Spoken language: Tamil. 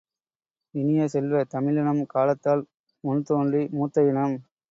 இனிய செல்வ, தமிழினம் காலத்தால் முன்தோன்றி மூத்த இனம்.